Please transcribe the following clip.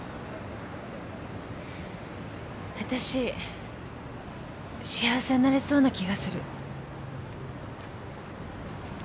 あたし幸せになれそうな気がする。